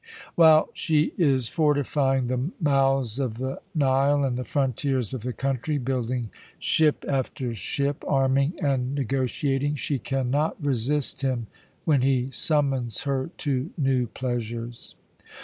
"While she is fortifying the mouths of the Nile and the frontiers of the country, building ship after ship, arming and negotiating, she can not resist him when he summons her to new pleasures.